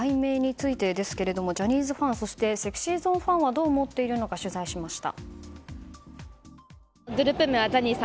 今回の改名についてですがジャニーズファンそしてＳｅｘｙＺｏｎｅファンはどう思っているのか取材しました。